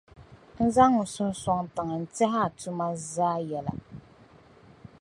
N zaŋ n suhu sɔŋ tiŋa n-tɛh’ a tuma zaa yɛla.